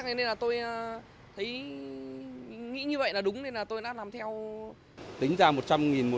nên là tôi nghĩ như vậy là đúng nên là tôi đã làm theo